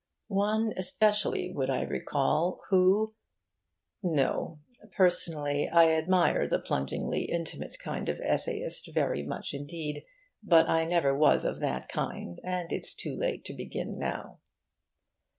One especially would I recall, who no, personally I admire the plungingly intimate kind of essayist very much indeed, but I never was of that kind, and it's too late to begin now.